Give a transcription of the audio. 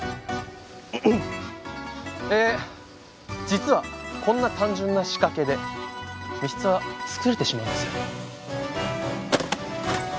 え実はこんな単純な仕掛けで密室は作れてしまうんですよ。